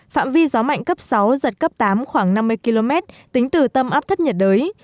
phạm vi gió mạnh cấp sáu giật cấp tám khoảng năm mươi km tính từ tâm áp thấp nhiệt đới